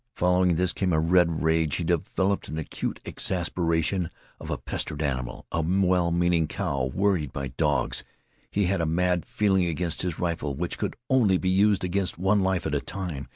Following this came a red rage. He developed the acute exasperation of a pestered animal, a well meaning cow worried by dogs. He had a mad feeling against his rifle, which could only be used against one life at a time.